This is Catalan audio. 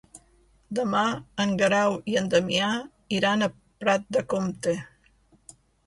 Demà en Guerau i en Damià iran a Prat de Comte.